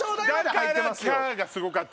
だから「キャー」がすごかった。